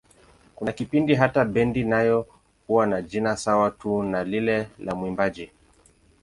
Kuna kipindi hata bendi nayo huwa na jina sawa tu na lile la mwimbaji.